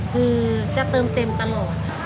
คือจะเติมเต็มตลอดค่ะ